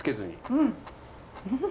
うん。